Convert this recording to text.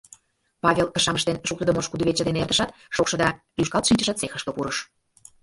Павел кышам ыштен шуктыдымо ош кудывече дене эртышат, шокшо да лӱшкалт шинчыше цехышке пурыш.